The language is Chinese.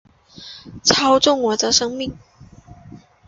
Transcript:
操纵了我的生命